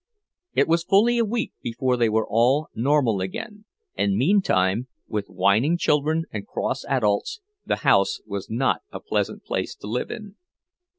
It was fully a week before they were all normal again, and meantime, with whining children and cross adults, the house was not a pleasant place to live in.